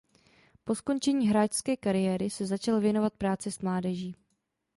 Po skončení hráčské kariéry se začal věnovat práci s mládeží.